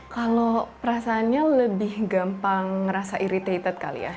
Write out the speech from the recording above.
kalau perasaannya lebih gampang ngerasa iritated kali ya